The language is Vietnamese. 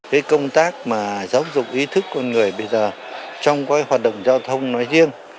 cái công tác mà giáo dục ý thức con người bây giờ trong cái hoạt động giao thông nói riêng